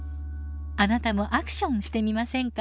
あなたもアクションしてみませんか？